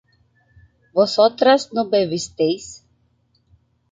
¿vosotras no bebisteis?